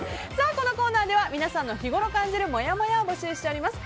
このコーナーでは皆さんの日ごろ感じるもやもやを募集しております。